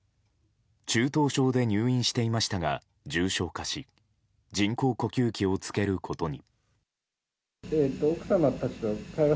中等症で入院していましたが重症化し人工呼吸器を着けることに。